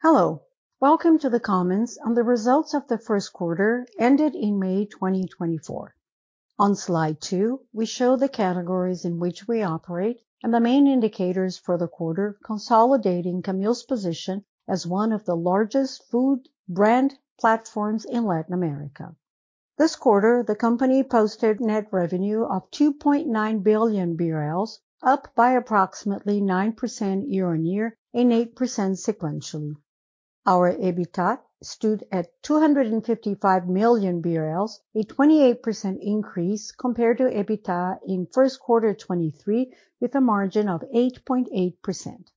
Hello. Welcome to the comments on the results of the first quarter, ended in May 2024. On slide two, we show the categories in which we operate and the main indicators for the quarter, consolidating Camil's position as one of the largest food brand platforms in Latin America. This quarter, the company posted net revenue of 2.9 billion BRL, up by approximately 9% year-on-year and 8% sequentially. Our EBITDA stood at 255 million BRL, a 28% increase compared to EBITDA in first quarter 2023, with a margin of 8.8%.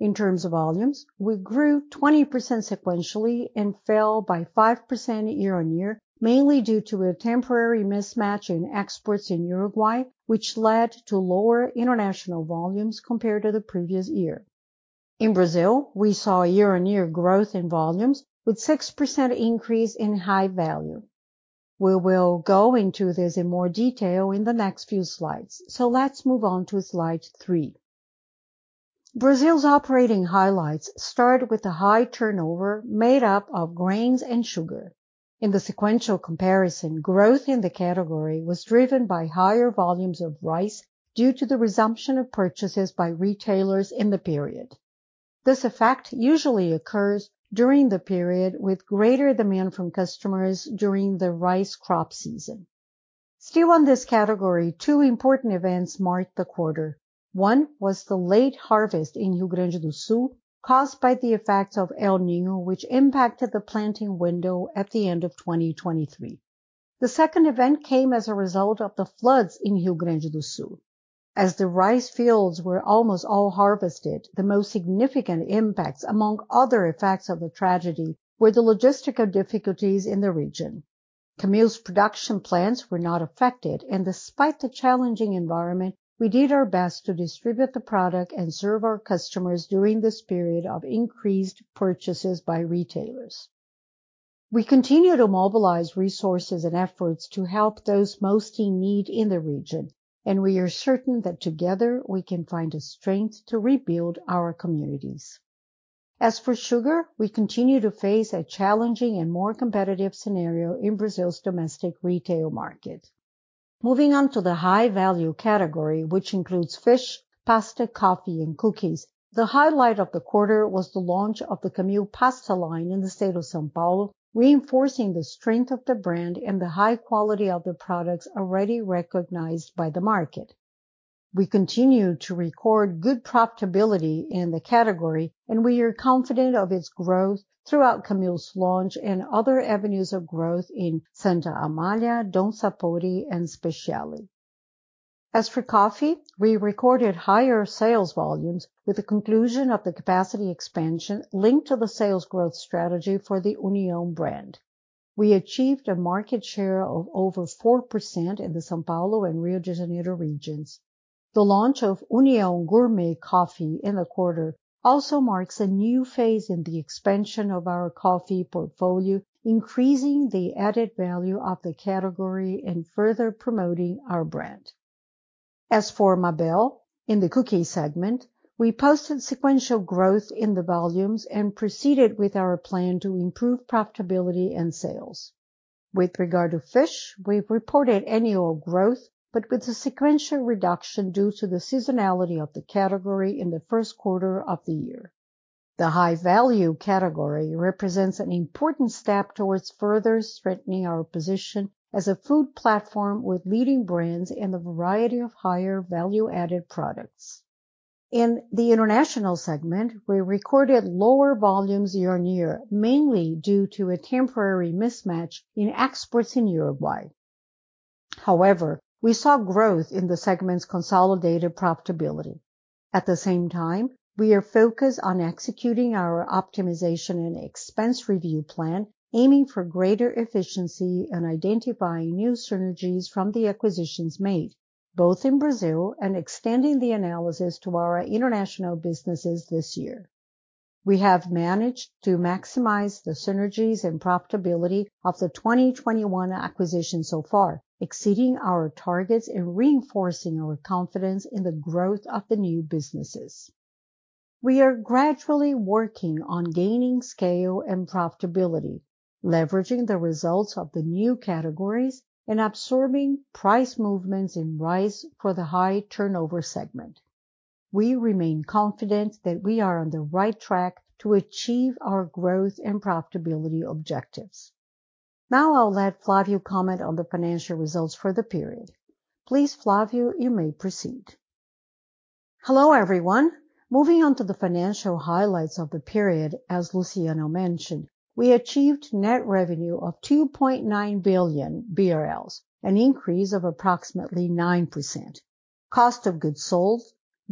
In terms of volumes, we grew 20% sequentially and fell by 5% year-on-year, mainly due to a temporary mismatch in exports in Uruguay, which led to lower international volumes compared to the previous year. In Brazil, we saw a year-on-year growth in volumes, with 6% increase in high value. We will go into this in more detail in the next few slides, so let's move on to slide three. Brazil's operating highlights started with a high turnover, made up of grains and sugar. In the sequential comparison, growth in the category was driven by higher volumes of rice due to the resumption of purchases by retailers in the period. This effect usually occurs during the period, with greater demand from customers during the rice crop season. Still on this category, two important events marked the quarter. One was the late harvest in Rio Grande do Sul, caused by the effects of El Niño, which impacted the planting window at the end of 2023. The second event came as a result of the floods in Rio Grande do Sul. As the rice fields were almost all harvested, the most significant impacts, among other effects of the tragedy, were the logistical difficulties in the region. Camil's production plants were not affected, and despite the challenging environment, we did our best to distribute the product and serve our customers during this period of increased purchases by retailers. We continue to mobilize resources and efforts to help those most in need in the region, and we are certain that together, we can find the strength to rebuild our communities. As for sugar, we continue to face a challenging and more competitive scenario in Brazil's domestic retail market. Moving on to the high-value category, which includes fish, pasta, coffee, and cookies, the highlight of the quarter was the launch of the Camil Pasta line in the state of São Paulo, reinforcing the strength of the brand and the high quality of the products already recognized by the market. We continue to record good profitability in the category, and we are confident of its growth throughout Camil's launch and other avenues of growth in Santa Amália, Don Sapore, and Speciale. As for coffee, we recorded higher sales volumes with the conclusion of the capacity expansion linked to the sales growth strategy for the União brand. We achieved a market share of over 4% in the São Paulo and Rio de Janeiro regions. The launch of União Gourmet Coffee in the quarter also marks a new phase in the expansion of our coffee portfolio, increasing the added value of the category and further promoting our brand. As for Mabel, in the cookie segment, we posted sequential growth in the volumes and proceeded with our plan to improve profitability and sales. With regard to fish, we've reported annual growth, but with a sequential reduction due to the seasonality of the category in the first quarter of the year. The high-value category represents an important step towards further strengthening our position as a food platform with leading brands in a variety of higher value-added products. In the international segment, we recorded lower volumes year-on-year, mainly due to a temporary mismatch in exports in Uruguay. However, we saw growth in the segment's consolidated profitability. At the same time, we are focused on executing our optimization and expense review plan, aiming for greater efficiency and identifying new synergies from the acquisitions made, both in Brazil and extending the analysis to our international businesses this year. We have managed to maximize the synergies and profitability of the 2021 acquisition so far, exceeding our targets and reinforcing our confidence in the growth of the new businesses. We are gradually working on gaining scale and profitability, leveraging the results of the new categories and absorbing price movements in rice for the high-turnover segment. We remain confident that we are on the right track to achieve our growth and profitability objectives. Now I'll let Flávio comment on the financial results for the period. Please, Flávio, you may proceed. Hello, everyone. Moving on to the financial highlights of the period, as Luciano mentioned, we achieved net revenue of 2.9 billion BRL, an increase of approximately 9%. Cost of goods sold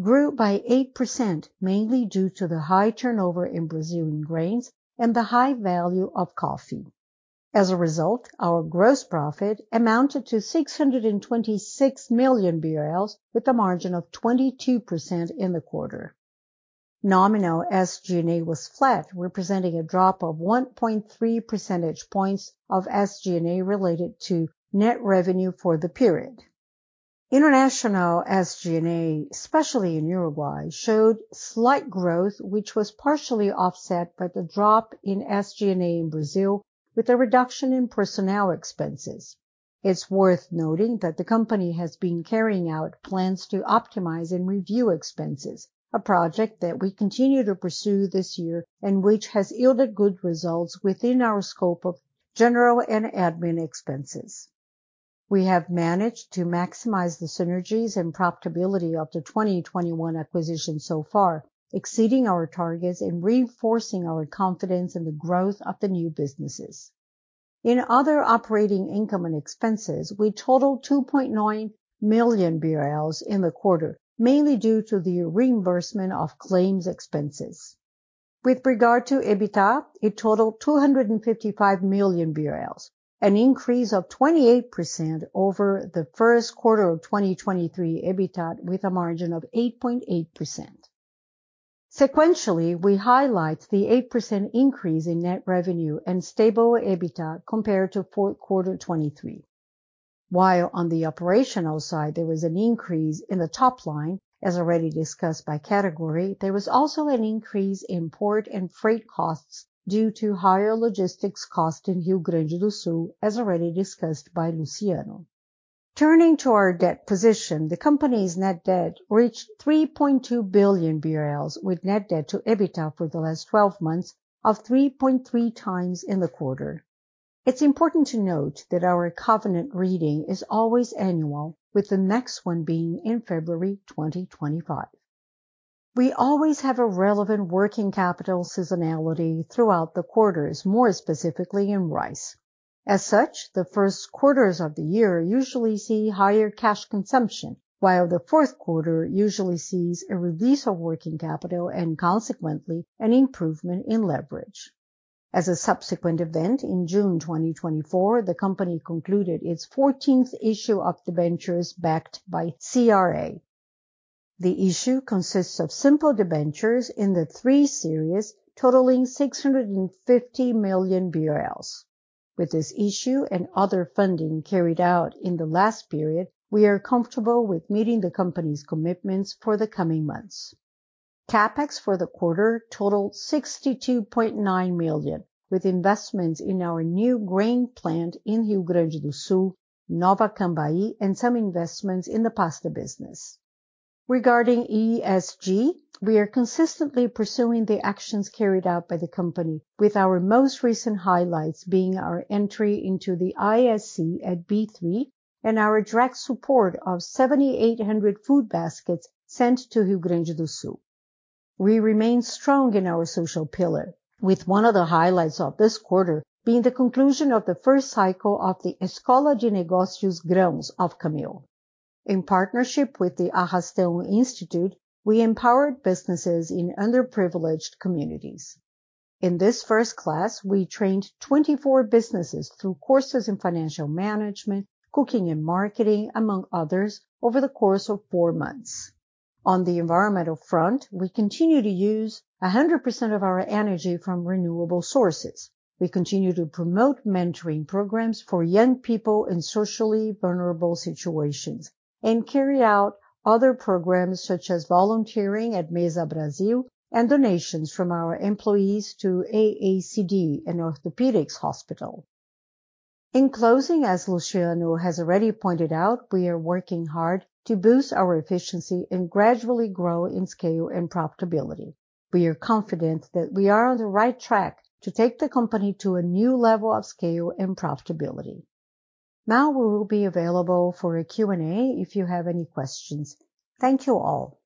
grew by 8%, mainly due to the high turnover in Brazilian grains and the high value of coffee. As a result, our gross profit amounted to 626 million BRL, with a margin of 22% in the quarter. Nominal SG&A was flat, representing a drop of 1.3% of SG&A related to net revenue for the period. International SG&A, especially in Uruguay, showed slight growth, which was partially offset by the drop in SG&A in Brazil, with a reduction in personnel expenses. It's worth noting that the company has been carrying out plans to optimize and review expenses, a project that we continue to pursue this year, and which has yielded good results within our scope of general and admin expenses. We have managed to maximize the synergies and profitability of the 2021 acquisition so far, exceeding our targets and reinforcing our confidence in the growth of the new businesses. In other operating income and expenses, we totaled 2.9 million BRL in the quarter, mainly due to the reimbursement of claims expenses. With regard to EBITDA, it totaled 255 million BRL, an increase of 28% over the first quarter of 2023 EBITDA, with a margin of 8.8%. Sequentially, we highlight the 8% increase in net revenue and stable EBITDA compared to fourth quarter 2023. While on the operational side, there was an increase in the top line, as already discussed by category, there was also an increase in port and freight costs due to higher logistics costs in Rio Grande do Sul, as already discussed by Luciano. Turning to our debt position, the company's net debt reached 3.2 billion BRL, with net debt to EBITDA for the last 12 months of 3.3x in the quarter. It's important to note that our covenant reading is always annual, with the next one being in February 2025. We always have a relevant working capital seasonality throughout the quarters, more specifically in rice. As such, the first quarters of the year usually see higher cash consumption, while the fourth quarter usually sees a release of working capital and consequently, an improvement in leverage. As a subsequent event in June 2024, the company concluded its fourteenth issue of debentures backed by CRA. The issue consists of simple debentures in the three series, totaling 650 million BRL. With this issue and other funding carried out in the last period, we are comfortable with meeting the company's commitments for the coming months. CapEx for the quarter totaled BRL 62.9 million, with investments in our new grain plant in Rio Grande do Sul, Nova Campina, and some investments in the pasta business. Regarding ESG, we are consistently pursuing the actions carried out by the company, with our most recent highlights being our entry into the ISE at B3 and our direct support of 7,800 food baskets sent to Rio Grande do Sul. We remain strong in our social pillar, with one of the highlights of this quarter being the conclusion of the first cycle of the Escola de Negócios da Camil. In partnership with the Instituto Arrastão, we empowered businesses in underprivileged communities. In this first class, we trained 24 businesses through courses in financial management, cooking and marketing, among others, over the course of four months. On the environmental front, we continue to use 100% of our energy from renewable sources. We continue to promote mentoring programs for young people in socially vulnerable situations, and carry out other programs, such as volunteering at Mesa Brasil, and donations from our employees to AACD, an orthopedic hospital. In closing, as Luciano has already pointed out, we are working hard to boost our efficiency and gradually grow in scale and profitability. We are confident that we are on the right track to take the company to a new level of scale and profitability. Now, we will be available for a Q&A if you have any questions. Thank you, all.